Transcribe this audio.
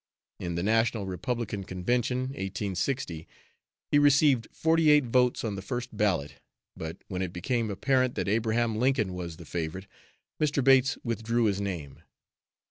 In the National Republican Convention, 1860, he received forty eight votes on the first ballot, but when it became apparent that Abraham Lincoln was the favorite, Mr. Bates withdrew his name.